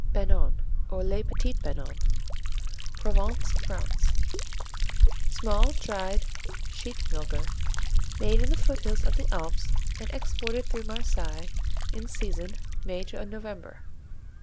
Banon, or les Petits Banons Provence, France, Small, dried, sheep milker, made in the foothills of the Alps and exported through Marseilles in season, May to November.